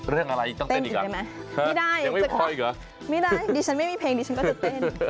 เรื่องอะไรต้องเต้นอีกอ่ะใช่ไหมไม่ได้ยังไม่พออีกเหรอไม่ได้ดิฉันไม่มีเพลงดิฉันก็จะเต้น